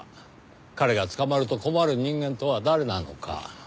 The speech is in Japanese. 彼が捕まると困る人間とは誰なのか。